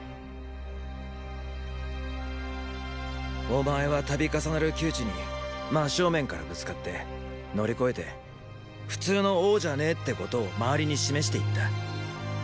お前は度重なる窮地に真っ正面からぶつかって乗り越えて普通の王じゃねェってことを周りに示していった。